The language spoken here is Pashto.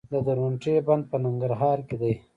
د درونټې بند په ننګرهار کې دی